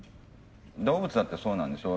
動物だってそうなんですよ。